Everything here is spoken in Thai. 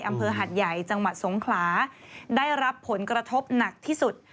อำเภอหัดใหญ่จังหวัดสงขลาได้รับผลกระทบหนักที่สุด